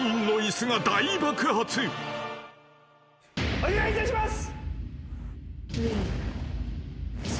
お願いいたします。